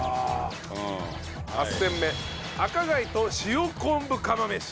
８戦目赤貝と塩昆布釜飯。